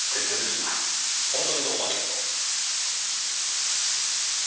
本当にどうもありがとう。